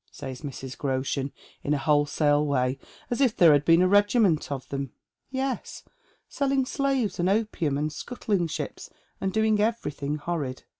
says Mrs. Groshen, in a wholesale way, as if there had been a regiment of them. " Yes, selling slaves, and opium, and scuttling ships, and doing everything horrid."